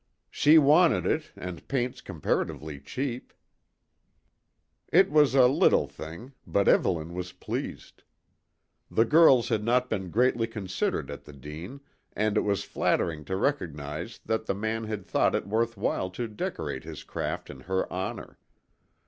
"She wanted it, and paint's comparatively cheap." It was a little thing, but Evelyn was pleased. The girls had not been greatly considered at the Dene, and it was flattering to recognise that the man had thought it worth while to decorate his craft in her honour.